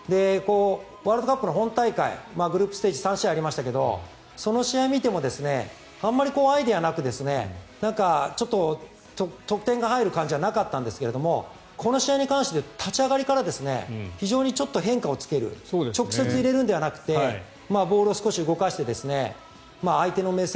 ワールドカップの本大会グループステージ３試合ありましたけどその試合を見てもあまりアイデアなくちょっと得点が入る感じじゃなかったんですがこの試合に関しては立ち上がりからちょっと変化をつける直接入れるのではなくボールを少し動かして相手の目線